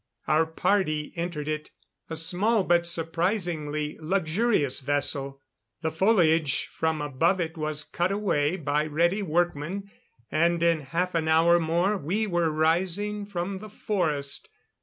Our party entered it a small but surprisingly luxurious vessel. The foliage from above it was cut away by ready workmen; and in half an hour more we were rising from the forest.